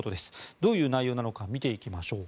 どういう内容なのか見ていきましょう。